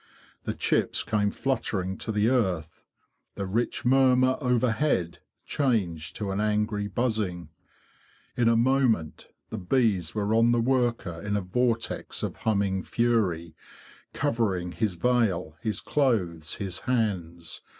The chips came fluttering to the earth. The rich murmur overhead changed to an angry buzzing. In a moment the bees were on the worker in a vortex of humming fury, covering his veil, his clothes, his hands.